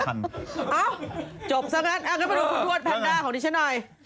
เอ้าจบซะงั้นไปดูคุณทวดแพนด้าของดิฉันหน่อย